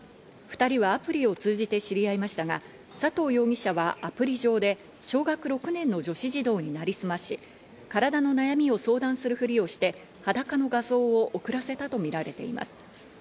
２人はアプリを通じて知り合いましたが、佐藤容疑者はアプリ上で小学６年の女子児童になりすまし、体の悩みを相談するふりをして裸の画像を送らせたとみられています。